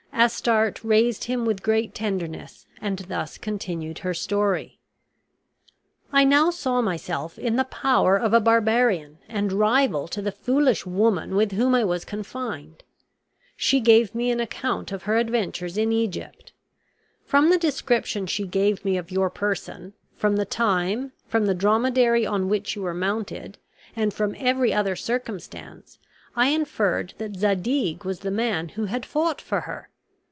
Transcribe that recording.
Astarte raised him with great tenderness and thus continued her story: "I now saw myself in the power of a barbarian and rival to the foolish woman with whom I was confined. She gave me an account of her adventures in Egypt. From the description she gave me of your person, from the time, from the dromedary on which you were mounted, and from every other circumstance, I inferred that Zadig was the man who had fought for her.